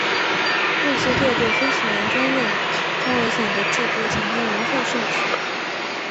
瑞切特对飞行员专用降落伞的制作产生了浓厚兴趣。